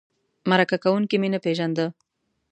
مرکه کوونکی مې نه پېژنده.